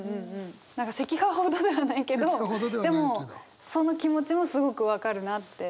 何か石化ほどではないけどでもその気持ちもすごく分かるなって。